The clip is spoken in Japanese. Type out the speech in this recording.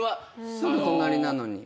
すぐ隣なのに？